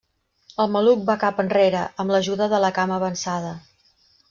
El maluc va cap enrere amb l'ajuda de la cama avançada.